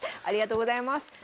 ありがとうございます。